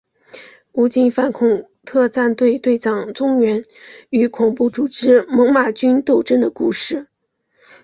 武警反恐特战队队长钟原与恐怖组织猛玛军斗争的故事。